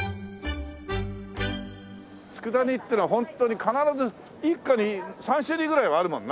佃煮っていうのはホントに必ず一家に３種類ぐらいはあるもんな。